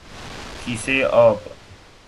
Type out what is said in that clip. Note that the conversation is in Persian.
کیسه آب